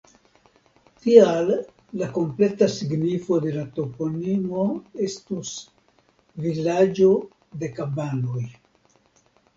Tial la kompleta signifo de la toponimo estus "vilaĝo de kabanoj".